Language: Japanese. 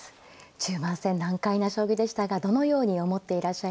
中盤戦難解な将棋でしたがどのように思っていらっしゃいましたか。